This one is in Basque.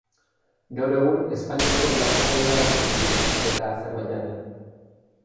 Gaur egun, Espainiako enbaxadorea da Turkian eta Azerbaijanen.